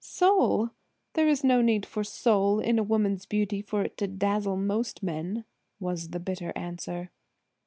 "Soul! there is no need for soul in a woman's beauty for it to dazzle most men," was the bitter answer.